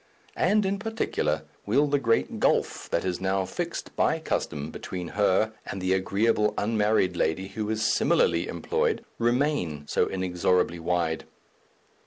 and in particular, will the great gulf that is now fixed by custom between her and the agreeable unmarried lady who is similarly employed remain so inexorably wide?